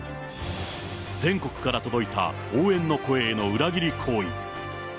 全国から届いた応援の声への裏切り行為。